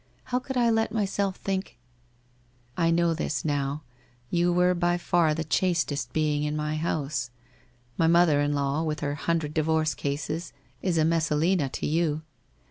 How could I let myself think ? I know this now, you were by far the chastest being in my house. My mother in law, with her hundred divorce cases, is a Messalina to you.